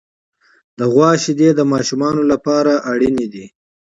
د غوا شیدې د ماشومانو لپاره اړینې دي.